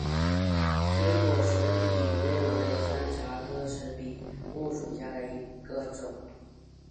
锥果石笔木为山茶科石笔木属下的一个种。